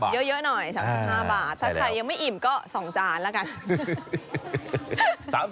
ถ้าใครยังไม่อิ่มก็๒จานละกัน